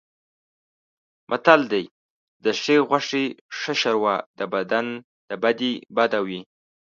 متل دی: د ښې غوښې ښه شوروا د بدې بده وي.